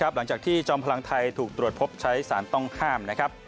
หลังจากที่จอมพลังไทยถูกตรวจพบใช้สารต้องห้ามนะครับ